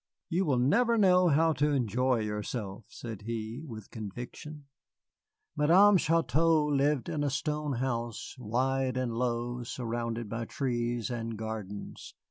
"You will never know how to enjoy yourself," said he, with conviction. Madame Chouteau lived in a stone house, wide and low, surrounded by trees and gardens.